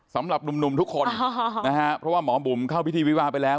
สำหรับหนุ่มทุกคนนะฮะเพราะว่าหมอบุ๋มเข้าพิธีวิวาไปแล้ว